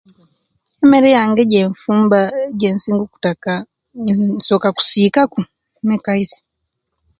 Emere yange ejefumba ejesinga okutaka iih nsoka kusiikaku mekaisi.